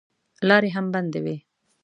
لارې هم بندې وې.